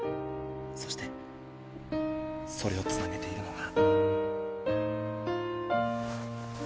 そしてそれをつなげているのが。